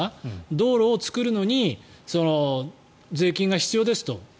道路を作るのに税金が必要ですと。